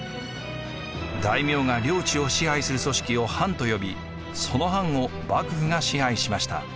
大名が領地を支配する組織を藩と呼びその藩を幕府が支配しました。